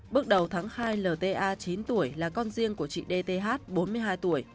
bước đầu tháng hai lta chín tuổi là con riêng của chị dth bốn mươi hai tuổi